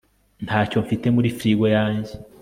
ntacyo mfite muri frigo yanjye